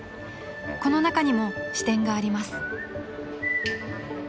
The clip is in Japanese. ［この中にも支店があります］